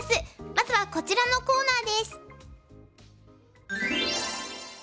まずはこちらのコーナーです。